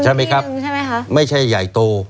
ใช่ไหมครับไม่ใช่ใหญ่โต